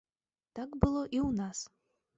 Так было і ў нас.